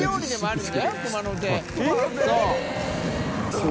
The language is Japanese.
そう。